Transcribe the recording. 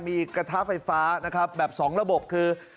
มีกระทะไฟฟ้านะครับแบบ๒ระบบคือ